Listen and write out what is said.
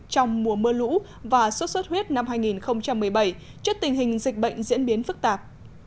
trong mùa mưa lũ và sốt xuất huyết năm hai nghìn một mươi bảy trước tình hình dịch bệnh diễn biến phức tạp